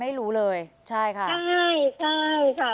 ไม่รู้เลยใช่ค่ะใช่ใช่ค่ะ